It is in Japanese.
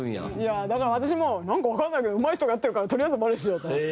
だから私もなんかわかんないけどうまい人がやってるからとりあえず真似しようと思って。